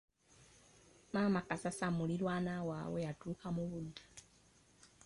Maama Kasasa muliraanwa waabwe yatuuka mu budde.